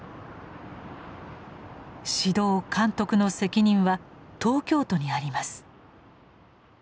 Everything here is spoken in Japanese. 指導監督の責任は東京都にあります。